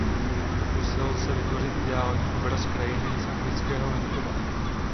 Pokusil se vytvořit ideální obraz krajiny z anglického venkova.